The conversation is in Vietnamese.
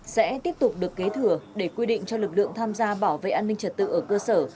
sẽ tiếp tục được kế thừa để quy định cho lực lượng tham gia bảo vệ an ninh trật tự ở cơ sở